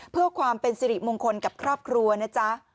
เพื่อความเป็นสิริมงคลกับครอบครัวนะจ๊ะ